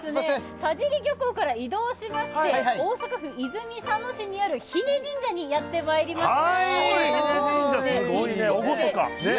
田尻漁港から移動しまして泉佐野市にある日根神社にやってきました。